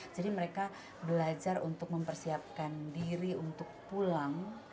jadi mereka belajar untuk mempersiapkan diri untuk pulang